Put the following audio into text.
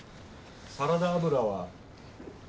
サラダ油は。